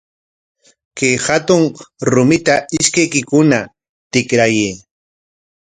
Kay hatun rumita ishkaykikuna tikrayay.